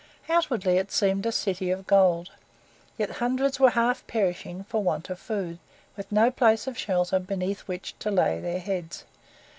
Outwardly it seemed a city of gold, yet hundreds were half perishing for want of food, with no place of shelter beneath which to lay their heads.